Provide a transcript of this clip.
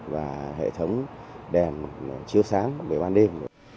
và hệ thống đèn chiếu sáng về ban đêm